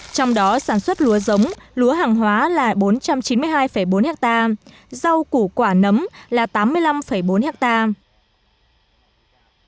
trong đó sản xuất lúa giống lúa hàng hóa là bốn trăm chín mươi hai bốn hectare rau củ quả nấm là tám mươi năm bốn hectare